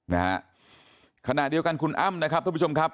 นะฮะขณะเดียวกันคุณอ้ำนะครับท่านผู้ชมครับ